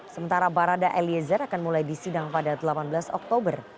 sementara barada eliezer akan mulai disidang pada delapan belas oktober